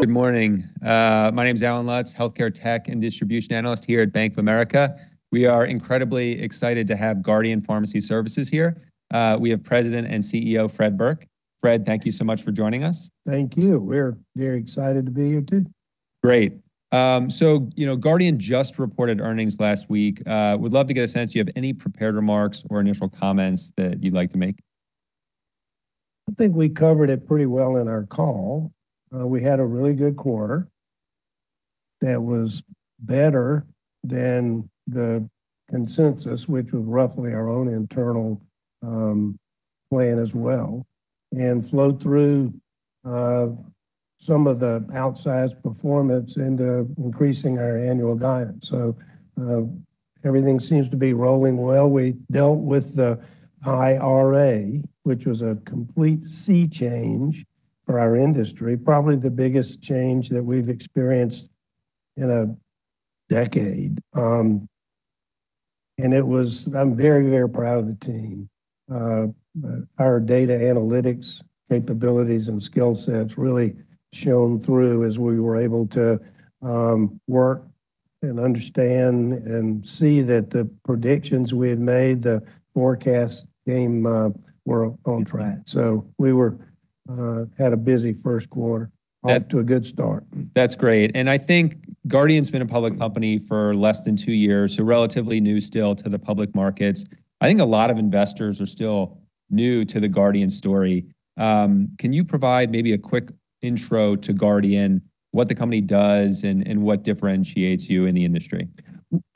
Good morning. My name's Allen Lutz, healthcare tech and distribution analyst here at Bank of America. We are incredibly excited to have Guardian Pharmacy Services here. We have President and CEO, Fred Burke. Fred, thank you so much for joining us. Thank you. We're very excited to be here, too. Great. You know, Guardian just reported earnings last week. Would love to get a sense, do you have any prepared remarks or initial comments that you'd like to make? I think we covered it pretty well in our call. We had a really good quarter that was better than the consensus, which was roughly our own internal plan as well, and flowed through some of the outsized performance into increasing our annual guidance. Everything seems to be rolling well. We dealt with the IRA, which was a complete sea change for our industry, probably the biggest change that we've experienced in a decade. I'm very proud of the team. Our data analytics capabilities and skill sets really shown through as we were able to work and understand, and see that the predictions we had made, the forecasts came were on track. We had a busy first quarter. Off to a good start. That's great. I think Guardian's been a public company for less than two years, so relatively new still to the public markets. I think a lot of investors are still new to the Guardian story. Can you provide maybe a quick intro to Guardian, what the company does, and what differentiates you in the industry?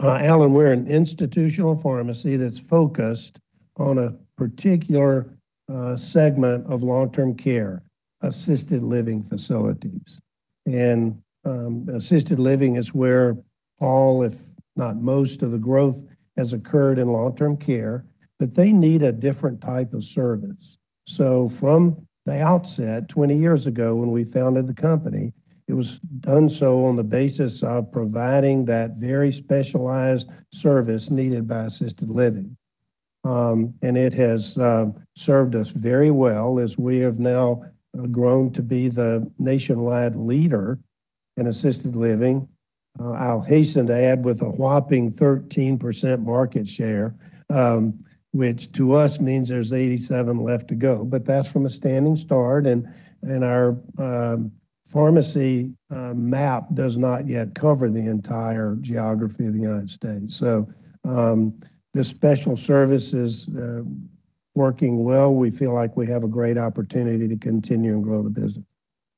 Allen, we're an institutional pharmacy that's focused on a particular segment of long-term care, assisted living facilities. Assisted living is where all, if not most, of the growth has occurred in long-term care, but they need a different type of service. From the outset, 20 years ago, when we founded the company, it was done so on the basis of providing that very specialized service needed by assisted living. It has served us very well as we have now grown to be the nationwide leader in assisted living. I'll hasten to add with a whopping 13% market share, which to us means there's 87 left to go. That's from a standing start, and our pharmacy map does not yet cover the entire geography of the United States. The special service is working well. We feel like we have a great opportunity to continue and grow the business.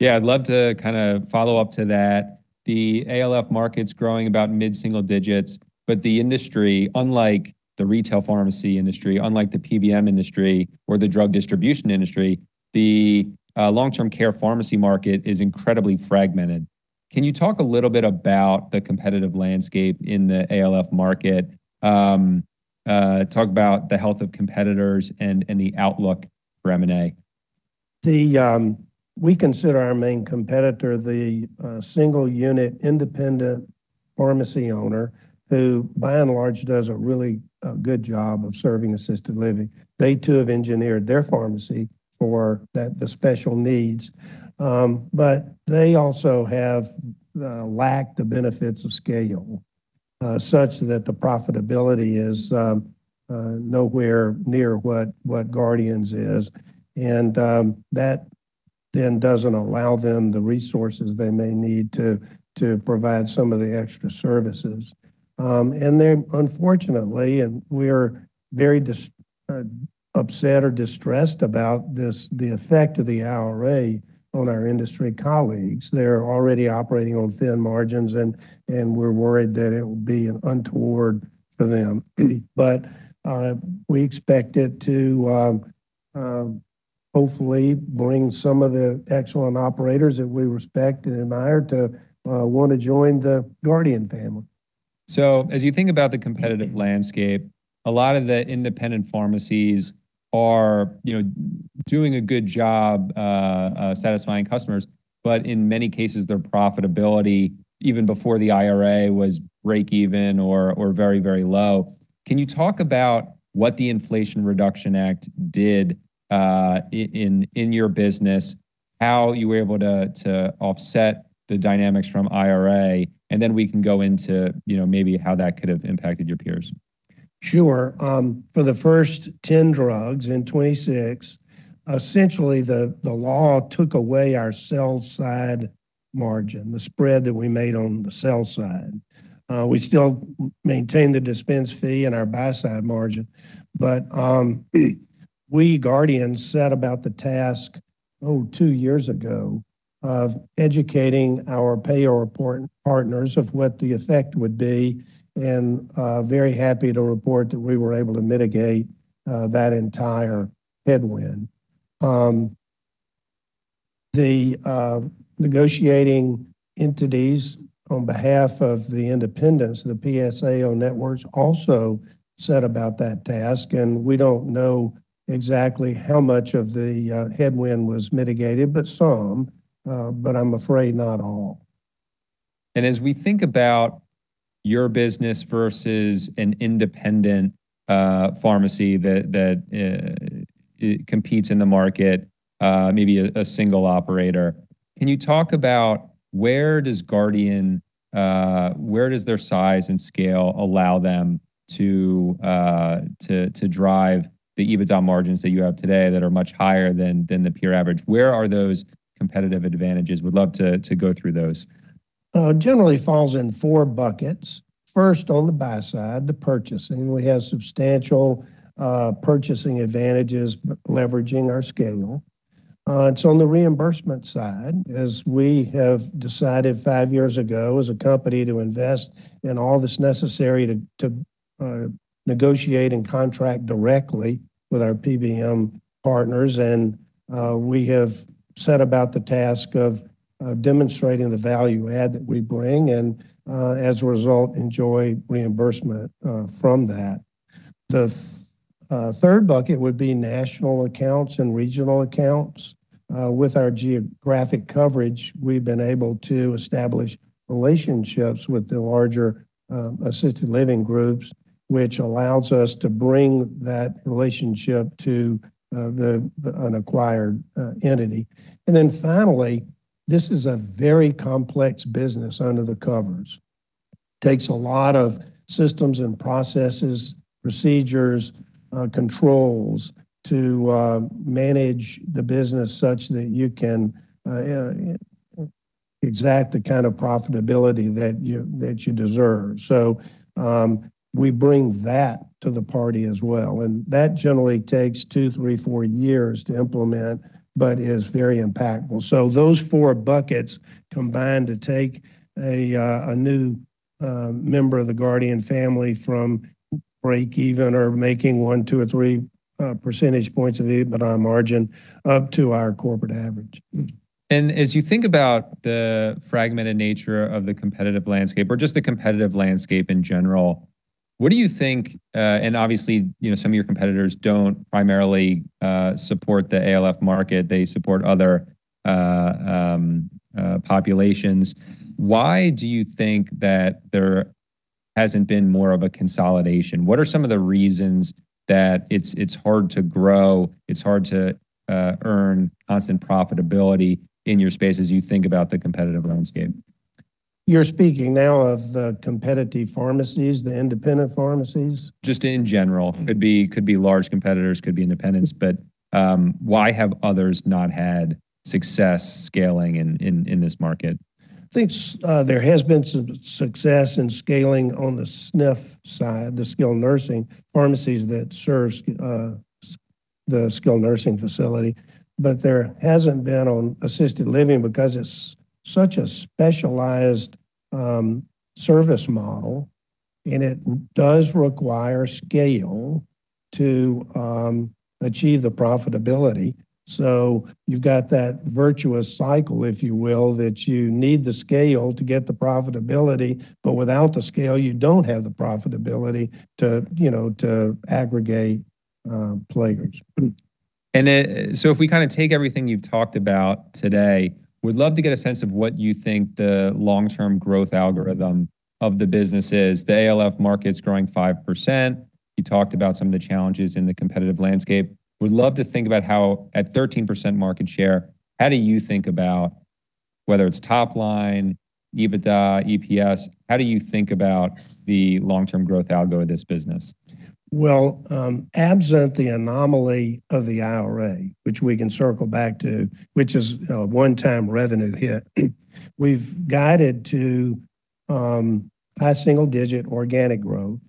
Yeah, I'd love to kinda follow up to that. The ALF market's growing about mid-single digits. The industry, unlike the retail pharmacy industry, unlike the PBM industry or the drug distribution industry, the long-term care pharmacy market is incredibly fragmented. Can you talk a little bit about the competitive landscape in the ALF market? Talk about the health of competitors and the outlook for M&A. We consider our main competitor the single-unit independent pharmacy owner who, by and large, does a really good job of serving assisted living. They, too, have engineered their pharmacy for that, the special needs. They also have lacked the benefits of scale, such that the profitability is nowhere near what Guardian's is. That doesn't allow them the resources they may need to provide some of the extra services. They, unfortunately, and we're very upset or distressed about this, the effect of the IRA on our industry colleagues. They're already operating on thin margins, and we're worried that it will be untoward for them. We expect it to hopefully bring some of the excellent operators that we respect and admire to wanna join the Guardian family. As you think about the competitive landscape, a lot of the independent pharmacies are, you know, doing a good job, satisfying customers, but in many cases, their profitability, even before the IRA, was break-even or very, very low. Can you talk about what the Inflation Reduction Act did in your business, how you were able to offset the dynamics from IRA, and then we can go into, you know, maybe how that could have impacted your peers. Sure. For the first 10 drugs in 2026, essentially, the law took away our sell-side margin, the spread that we made on the sell side. We still maintain the dispense fee and our buy-side margin. We, Guardian, set about the task, oh, two years ago of educating our pay or import partners of what the effect would be, and very happy to report that we were able to mitigate that entire headwind. The negotiating entities on behalf of the independents, the PSAO networks, also set about that task, and we don't know exactly how much of the headwind was mitigated, but some, but I'm afraid not all. As we think about your business versus an independent pharmacy that competes in the market, maybe a single operator, can you talk about where does Guardian, where does their size and scale allow them to drive the EBITDA margins that you have today that are much higher than the peer average? Where are those competitive advantages? Would love to go through those. Generally falls in four buckets. First, on the buy side, the purchasing. We have substantial purchasing advantages leveraging our scale. It's on the reimbursement side, as we have decided five years ago as a company to invest in all that's necessary to negotiate and contract directly with our PBM partners. We have set about the task of demonstrating the value add that we bring and, as a result, enjoy reimbursement from that. The third bucket would be national accounts and regional accounts. With our geographic coverage, we've been able to establish relationships with the larger assisted living groups, which allows us to bring that relationship to the unacquired entity. Finally, this is a very complex business under the covers. Takes a lot of systems and processes, procedures, controls to manage the business such that you can exact the kind of profitability that you deserve. We bring that to the party as well, and that generally takes two, three, four years to implement but is very impactful. Those four buckets combine to take a new member of the Guardian family from break-even or making 1, 2, or 3 percentage points of the EBITDA margin up to our corporate average. As you think about the fragmented nature of the competitive landscape or just the competitive landscape in general, what do you think? Obviously, you know, some of your competitors don't primarily support the ALF market. They support other populations. Why do you think that there hasn't been more of a consolidation? What are some of the reasons that it's hard to grow, it's hard to earn constant profitability in your space, as you think about the competitive landscape? You're speaking now of the competitive pharmacies, the independent pharmacies? Just in general. Could be large competitors, could be independents. Why have others not had success scaling in this market? I think there has been some success in scaling on the SNF side, the skilled nursing pharmacies that serves the skilled nursing facility. There hasn't been on assisted living because it's such a specialized service model, and it does require scale to achieve the profitability. You've got that virtuous cycle, if you will, that you need the scale to get the profitability, but without the scale, you don't have the profitability to, you know, to aggregate players. So if we kind of take everything you've talked about today, would love to get a sense of what you think the long-term growth algorithm of the business is. The ALF market's growing 5%. You talked about some of the challenges in the competitive landscape. Would love to think about how at 13% market share, how do you think about whether it's top line, EBITDA, EPS? How do you think about the long-term growth algo of this business? Well, absent the anomaly of the IRA, which we can circle back to, which is a one-time revenue hit, we've guided to high single-digit organic growth,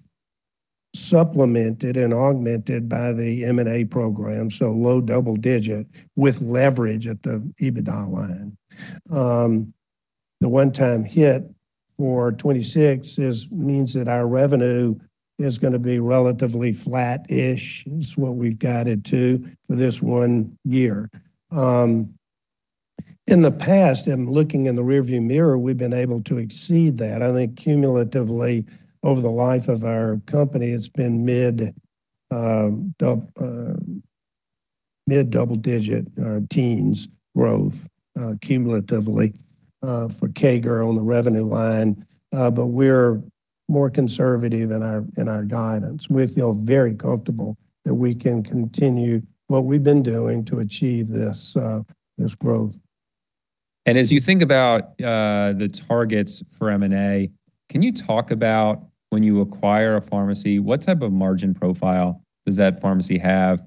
supplemented and augmented by the M&A program, so low double-digit with leverage at the EBITDA line. The one-time hit for 26 means that our revenue is going to be relatively flat-ish, is what we've guided to for this one year. In the past, looking in the rearview mirror, we've been able to exceed that. I think cumulatively over the life of our company, it's been mid-double-digit or teens growth cumulatively for CAGR on the revenue line. We're more conservative in our guidance. We feel very comfortable that we can continue what we've been doing to achieve this growth. As you think about the targets for M&A, can you talk about when you acquire a pharmacy, what type of margin profile does that pharmacy have?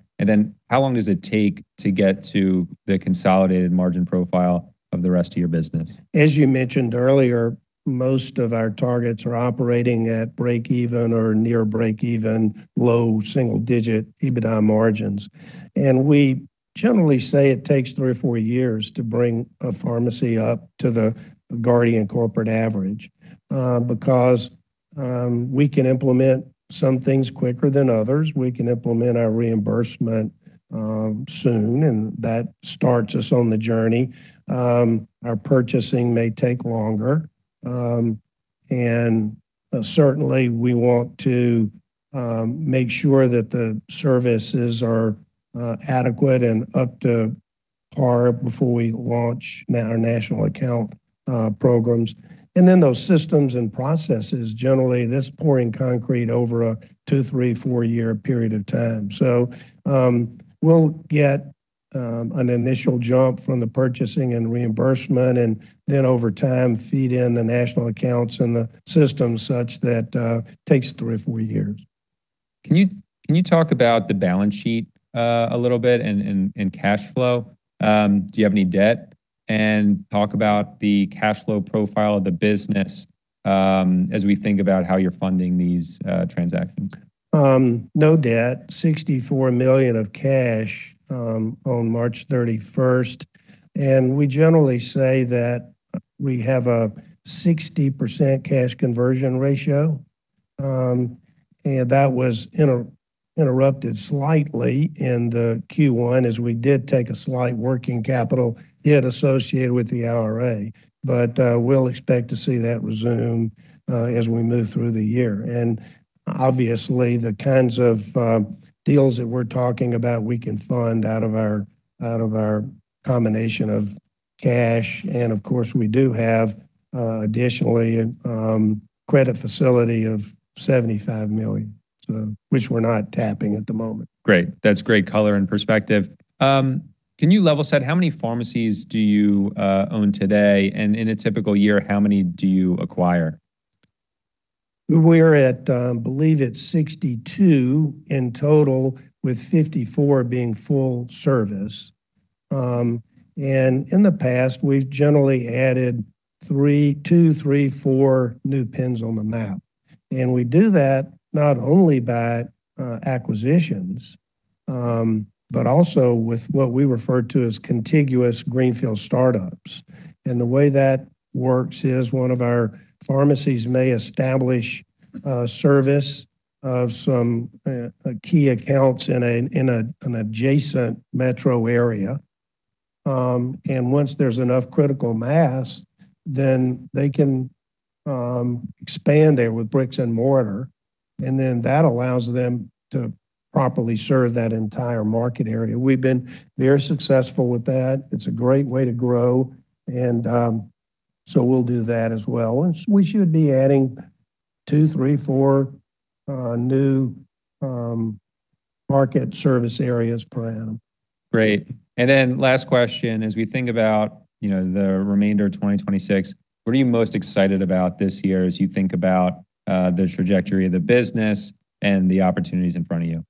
How long does it take to get to the consolidated margin profile of the rest of your business? As you mentioned earlier, most of our targets are operating at break-even or near break-even, low single-digit EBITDA margins. We generally say it takes three or four years to bring a pharmacy up to the Guardian corporate average, because we can implement some things quicker than others. We can implement our reimbursement soon, and that starts us on the journey. Our purchasing may take longer. Certainly, we want to make sure that the services are adequate and up to par before we launch our national account programs. Then those systems and processes, generally, that's pouring concrete over a two, three, four year period of time. We'll get an initial jump from the purchasing and reimbursement, and then over time feed in the national accounts and the systems, such that, takes three or four years. Can you talk about the balance sheet, a little bit and cash flow? Do you have any debt? Talk about the cash flow profile of the business, as we think about how you're funding these transactions. No debt. $64 million of cash on March 31st. We generally say that we have a 60% cash conversion ratio. That was interrupted slightly in the Q1 as we did take a slight working capital hit associated with the IRA. We'll expect to see that resume as we move through the year. Obviously, the kinds of deals that we're talking about, we can fund out of our, out of our combination of cash. Of course, we do have additionally credit facility of $75 million, which we're not tapping at the moment. Great. That's great color and perspective. Can you level set how many pharmacies do you own today? In a typical year, how many do you acquire? We're at, believe it's 62 in total, with 54 being full service. In the past, we've generally added three, two, three, four new pins on the map. We do that not only by acquisitions, but also with what we refer to as contiguous greenfield startups. The way that works is one of our pharmacies may establish service of some key accounts in an adjacent metro area. Once there's enough critical mass, then they can expand there with bricks and mortar, that allows them to properly serve that entire market area. We've been very successful with that. It's a great way to grow. We'll do that as well. We should be adding two, three, four new market service areas per annum. Great. Then last question. As we think about, you know, the remainder of 2026, what are you most excited about this year as you think about the trajectory of the business and the opportunities in front of you?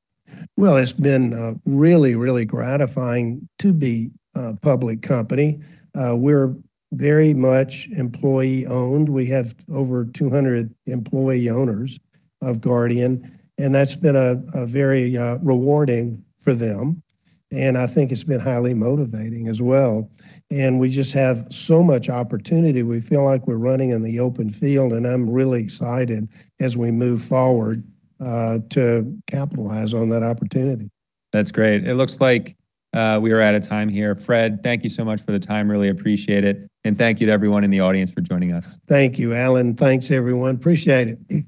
Well, it's been really, really gratifying to be a public company. We're very much employee-owned. We have over 200 employee owners of Guardian, and that's been a very rewarding for them, and I think it's been highly motivating as well. We just have so much opportunity. We feel like we're running in the open field, and I'm really excited as we move forward to capitalize on that opportunity. That's great. It looks like we are out of time here. Fred, thank you so much for the time. Really appreciate it. Thank you to everyone in the audience for joining us. Thank you, Allen. Thanks, everyone. Appreciate it.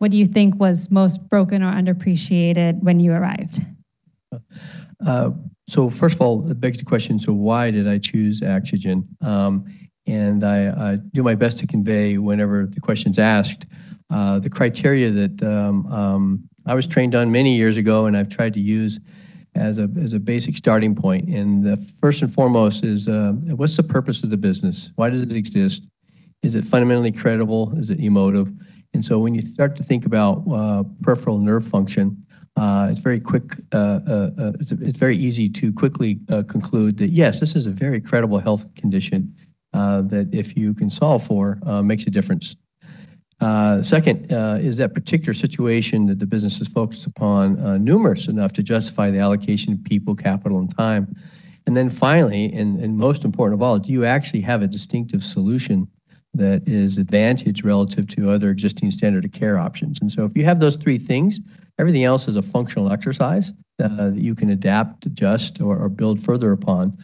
What do you think was most broken or underappreciated when you arrived? First of all, it begs the question, why did I choose Axogen? And I do my best to convey whenever the question's asked, the criteria that I was trained on many years ago, and I've tried to use as a, as a basic starting point. The first and foremost is, what's the purpose of the business? Why does it exist? Is it fundamentally credible? Is it emotive? When you start to think about peripheral nerve function, it's very quick, it's very easy to quickly conclude that yes, this is a very credible health condition that, if you can solve for, makes a difference. Second, is that particular situation that the business is focused upon, numerous enough to justify the allocation of people, capital, and time. Finally, and most important of all, do you actually have a distinctive solution that is advantage relative to other existing standard of care options? If you have those three things, everything else is a functional exercise that you can adapt, adjust, or build further upon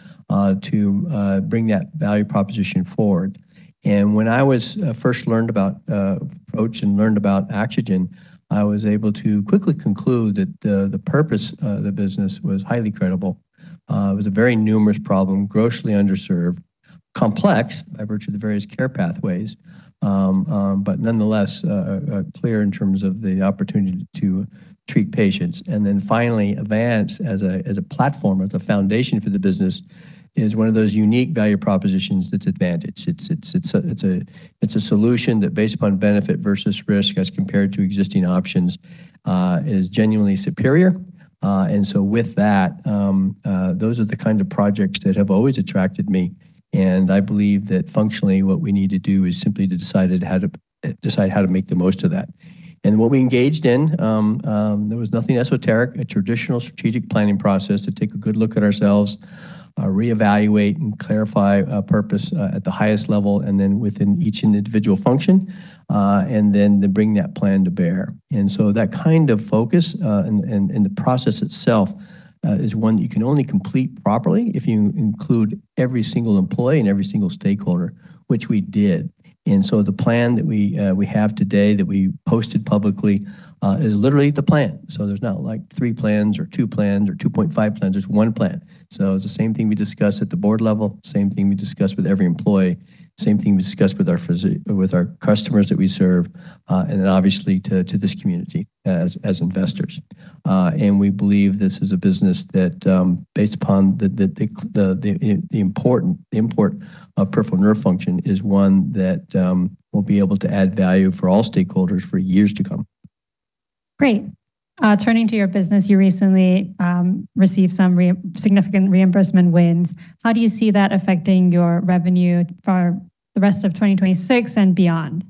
to bring that value proposition forward. When I was first learned about approach and learned about Axogen, I was able to quickly conclude that the purpose of the business was highly credible. It was a very numerous problem, grossly underserved, complex by virtue of the various care pathways, but nonetheless clear in terms of the opportunity to treat patients. Finally, Avance as a platform, as a foundation for the business, is one of those unique value propositions that's advantage. It's a solution that, based upon benefit versus risk as compared to existing options, is genuinely superior. With that, those are the kind of projects that have always attracted me, and I believe that functionally what we need to do is simply to decide how to make the most of that. What we engaged in, there was nothing esoteric, a traditional strategic planning process to take a good look at ourselves, reevaluate and clarify our purpose at the highest level, and then, within each individual function, and then to bring that plan to bear. That kind of focus, and the process itself, is one that you can only complete properly if you include every single employee and every single stakeholder, which we did. The plan that we have today that we posted publicly, is literally the plan. There's not like three plans or two plans or 2.5 plans, there's one plan. It's the same thing we discussed at the board level, same thing we discussed with every employee, same thing we discussed with our customers that we serve, and then obviously to this community as investors. We believe this is a business that, based upon the import of peripheral nerve function, is one that will be able to add value for all stakeholders for years to come. Great. Turning to your business, you recently received some significant reimbursement wins. How do you see that affecting your revenue for the rest of 2026 and beyond?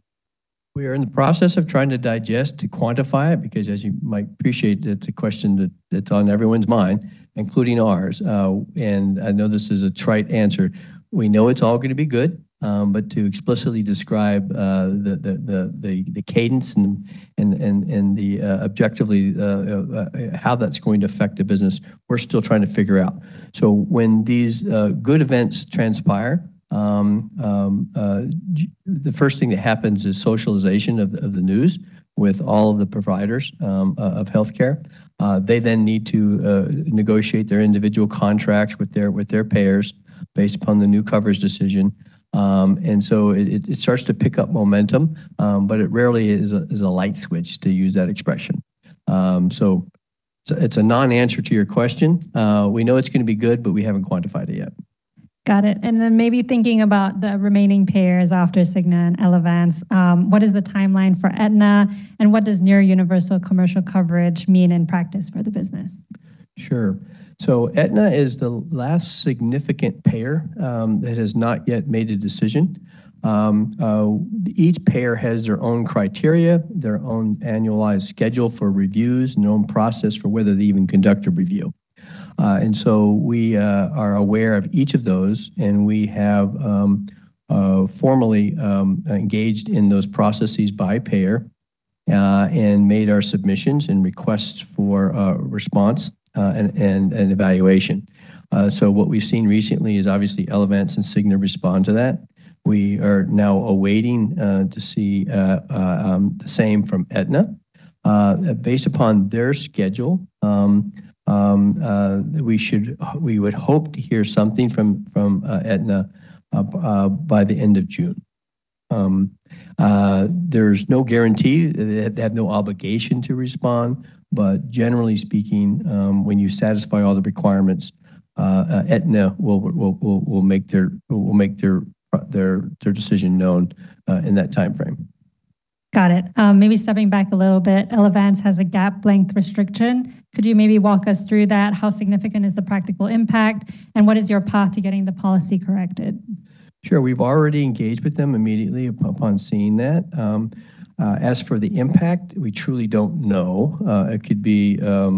We are in the process of trying to digest, to quantify it, because as you might appreciate, that's a question that's on everyone's mind, including ours. I know this is a trite answer. We know it's all gonna be good, but to explicitly describe the cadence and the objectively how that's going to affect the business, we're still trying to figure out. When these good events transpire, the first thing that happens is socialization of the news with all of the providers of healthcare. They need to negotiate their individual contracts with their payers based upon the new coverage decision. It starts to pick up momentum, but it rarely is a light switch, to use that expression. It's a non-answer to your question. We know it's gonna be good, but we haven't quantified it yet. Got it. Then, maybe thinking about the remaining payers after Cigna and Elevance, what is the timeline for Aetna, and what does near universal commercial coverage mean in practice for the business? Sure. Aetna is the last significant payer that has not yet made a decision. Each payer has their own criteria, their own annualized schedule for reviews, and their own process for whether they even conduct a review. We are aware of each of those, and we have formally engaged in those processes by payer and made our submissions and requests for response and evaluation. What we've seen recently is obviously Elevance and Cigna respond to that. We are now awaiting to see the same from Aetna. Based upon their schedule, we would hope to hear something from Aetna by the end of June. There's no guarantee. They have no obligation to respond. Generally speaking, when you satisfy all the requirements, Aetna will make their decision known in that timeframe. Got it. Maybe stepping back a little bit, Elevance has a gap length restriction. Could you maybe walk us through that? How significant is the practical impact, and what is your path to getting the policy corrected? Sure. We've already engaged with them immediately upon seeing that. As for the impact, we truly don't know. It could be a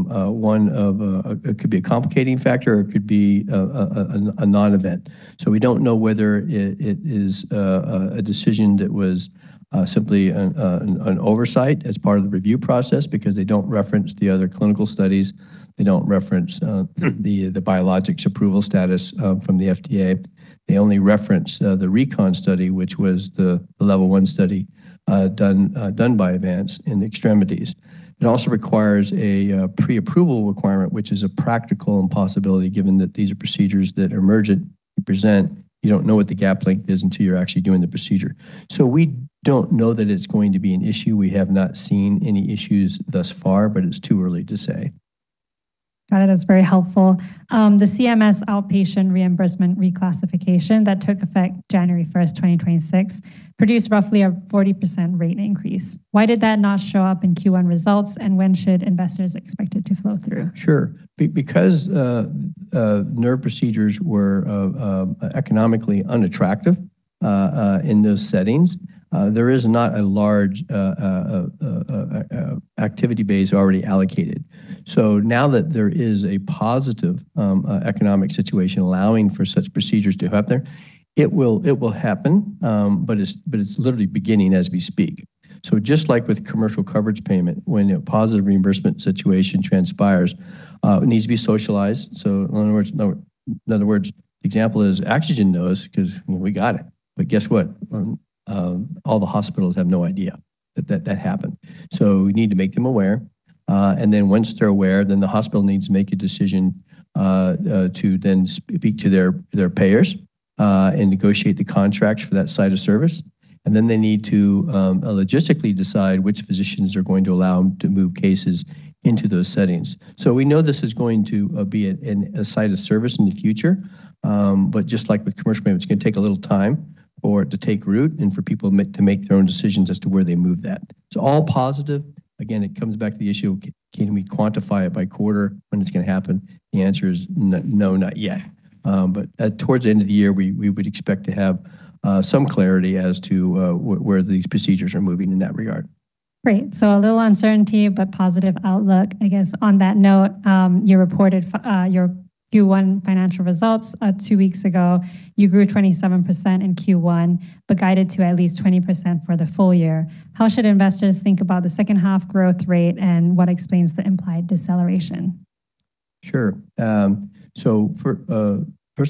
complicating factor, or it could be a non-event. We don't know whether it is a decision that was simply an oversight as part of the review process, because they don't reference the other clinical studies. They don't reference the biologics approval status from the FDA. They only reference the RECON study, which was the level one study done by Avance in extremities. It also requires a pre-approval requirement, which is a practical impossibility given that these are procedures that are emergent. You present, you don't know what the gap length is until you're actually doing the procedure. We don't know that it's going to be an issue. We have not seen any issues thus far, but it's too early to say. Got it. That's very helpful. The CMS outpatient reimbursement reclassification that took effect January 1st, 2026, produced roughly a 40% rate increase. Why did that not show up in Q1 results, and when should investors expect it to flow through? Sure. Because nerve procedures were economically unattractive. In those settings, there is not a large activity base already allocated. Now that there is a positive economic situation allowing for such procedures to happen there, it will happen, but it's literally beginning as we speak. Just like with commercial coverage payment, when a positive reimbursement situation transpires, it needs to be socialized. In other words, example is Axogen knows 'cause, well, we got it. Guess what? All the hospitals have no idea that happened. We need to make them aware, and then once they're aware, then the hospital needs to make a decision to then speak to their payers and negotiate the contracts for that site of service. They need to logistically decide which physicians are going to allow them to move cases into those settings. We know this is going to be a site of service in the future. Just like with commercial payments, it's gonna take a little time for it to take root and for people to make their own decisions as to where they move that. It's all positive. Again, it comes back to the issue; can we quantify it by quarter when it's gonna happen? The answer is no, not yet. Towards the end of the year, we would expect to have some clarity as to where these procedures are moving in that regard. Great. A little uncertainty, but positive outlook. I guess on that note, you reported your Q1 financial results two weeks ago. You grew 27% in Q1, but guided to at least 20% for the full year. How should investors think about the second-half growth rate, and what explains the implied deceleration? Sure. First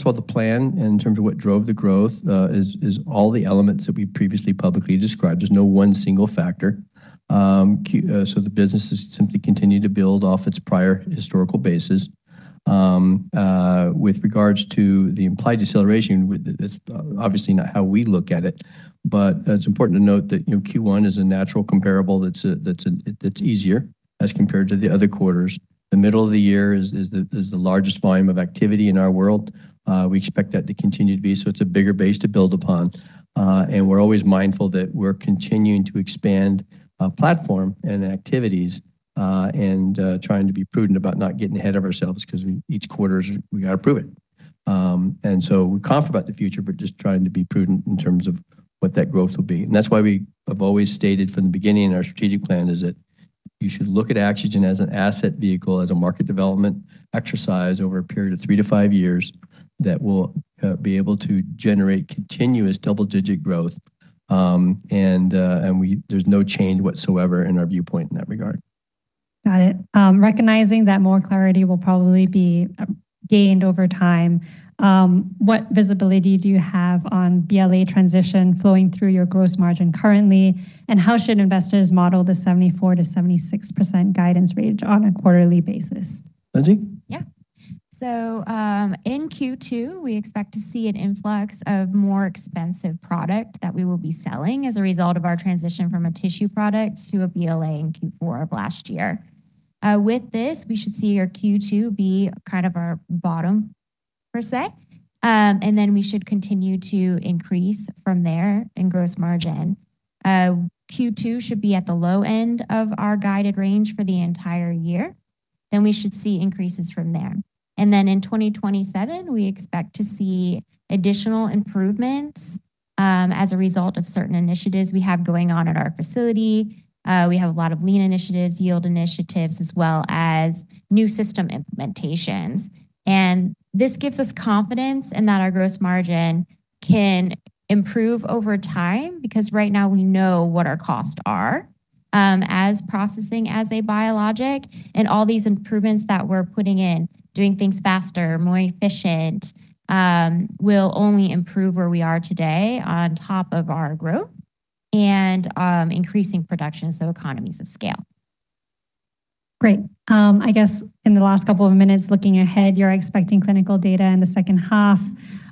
of all, the plan in terms of what drove the growth is all the elements that we previously publicly described. There's no one single factor. The business has simply continued to build off its prior historical basis. With regards to the implied deceleration, that's obviously not how we look at it. It's important to note that, you know, Q1 is a natural comparable that's easier as compared to the other quarters. The middle of the year is the largest volume of activity in our world. We expect that to continue to be, so it's a bigger base to build upon. We're always mindful that we're continuing to expand our platform and activities, and trying to be prudent about not getting ahead of ourselves because each quarter, we gotta prove it. We're confident about the future, but just trying to be prudent in terms of what that growth will be. That's why we have always stated from the beginning in our strategic plan is that you should look at Axogen as an asset vehicle, as a market development exercise over a period of three to five years that will be able to generate continuous double-digit growth. There's no change whatsoever in our viewpoint in that regard. Got it. Recognizing that more clarity will probably be gained over time, what visibility do you have on BLA transition flowing through your gross margin currently, and how should investors model the 74%-76% guidance range on a quarterly basis? In Q2, we expect to see an influx of more expensive product that we will be selling as a result of our transition from a tissue product to a BLA in Q4 of last year. With this, we should see our Q2 be kind of our bottom, per se. We should continue to increase from there in gross margin. Q2 should be at the low end of our guided range for the entire year. We should see increases from there. In 2027, we expect to see additional improvements as a result of certain initiatives we have going on at our facility. We have a lot of lean initiatives, yield initiatives, as well as new system implementations. This gives us confidence in that our gross margin can improve over time because right now we know what our costs are, as processing as a biologic. All these improvements that we're putting in, doing things faster, more efficient, will only improve where we are today on top of our growth and increasing production, so economies of scale. Great. I guess in the last couple of minutes, looking ahead, you're expecting clinical data in the second half.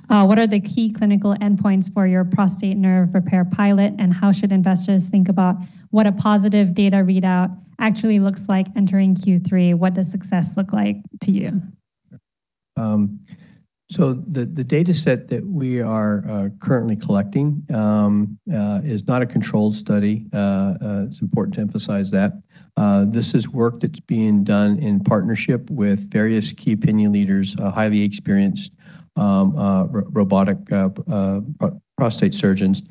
What are the key clinical endpoints for your prostate nerve repair pilot, and how should investors think about what a positive data readout actually looks like entering Q3? What does success look like to you? The dataset that we are currently collecting is not a controlled study. It's important to emphasize that. This is work that's being done in partnership with various key opinion leaders, highly experienced robotic prostate surgeons.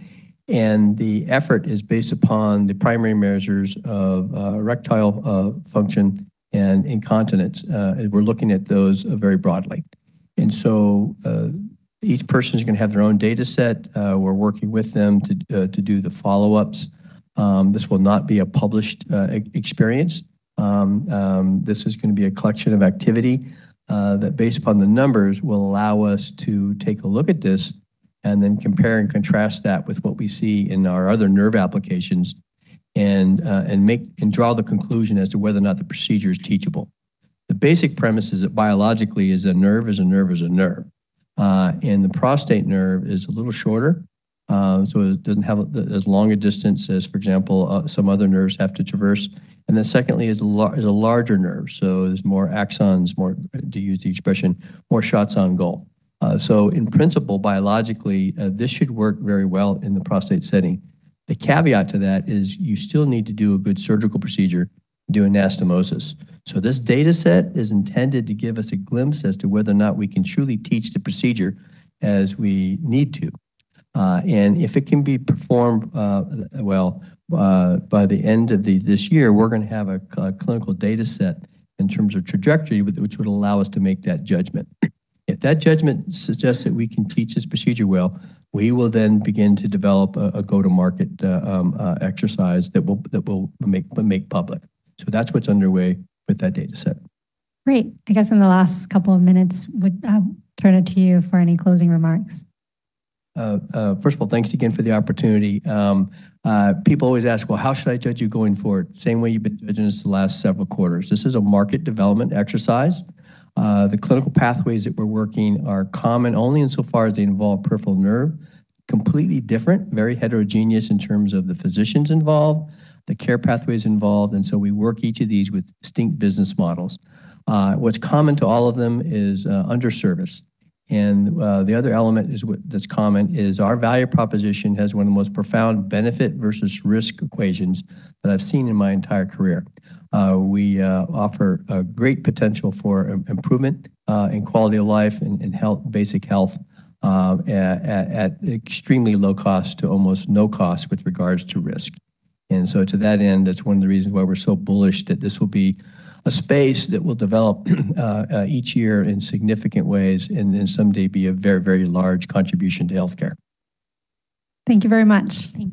The effort is based upon the primary measures of erectile function and incontinence. We're looking at those very broadly. Each person's gonna have their own dataset. We're working with them to do the follow-ups. This will not be a published experience. This is gonna be a collection of activity that, based upon the numbers, will allow us to take a look at this and then compare and contrast that with what we see in our other nerve applications and draw the conclusion as to whether or not the procedure is teachable. The basic premise is that biologically is a nerve is a nerve is a nerve. The prostate nerve is a little shorter, so it doesn't have as long a distance as, for example, some other nerves have to traverse. Secondly, it's a larger nerve, so there's more axons, more, to use the expression, more shots on goal. In principle, biologically, this should work very well in the prostate setting. The caveat to that is you still need to do a good surgical procedure to do anastomosis. This dataset is intended to give us a glimpse as to whether or not we can truly teach the procedure as we need to. If it can be performed well, by the end of this year, we're gonna have a clinical dataset in terms of trajectory, which would allow us to make that judgment. If that judgment suggests that we can teach this procedure well, we will then begin to develop a go-to-market exercise that we'll make public. That's what's underway with that dataset. Great. I guess in the last couple of minutes, would turn it to you for any closing remarks. First of all, thanks again for the opportunity. People always ask, "Well, how should I judge you going forward?" Same way you've been judging us the last several quarters. This is a market development exercise. The clinical pathways that we're working are common only insofar as they involve peripheral nerve. Completely different, very heterogeneous in terms of the physicians involved, the care pathways involved, and so we work each of these with distinct business models. What's common to all of them is under service. The other element that's common is our value proposition has one of the most profound benefit versus risk equations that I've seen in my entire career. We offer a great potential for improvement in quality of life and health, basic health, at extremely low cost to almost no cost with regards to risk. To that end, that's one of the reasons why we're so bullish that this will be a space that will develop each year in significant ways and then someday be a very large contribution to healthcare. Thank you very much. Thank you.